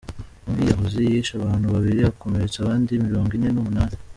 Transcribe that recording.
Umwiyahuzi yishe abantu Babiri akomeretsa abandi Mirongo Ine Numunani